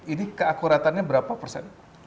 ini keakuratannya berapa persen